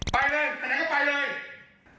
ไปเลยไปไหนก็ไปเลย